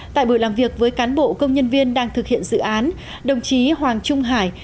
tại buổi làm việc với cán bộ công nhân viên đang thực hiện dự án đồng chí hoàng trung hải